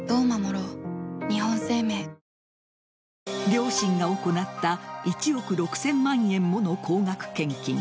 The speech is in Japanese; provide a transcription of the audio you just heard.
両親が行った１億６０００万円もの高額献金。